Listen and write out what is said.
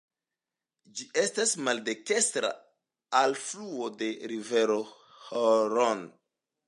Ĝi estas maldekstra alfluo de rivero Hron.